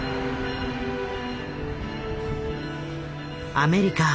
アメリカ